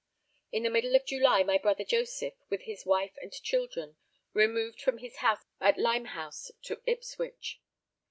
In the middle of July my brother Joseph, with his wife and children, removed from his house at Limehouse to Ipswich.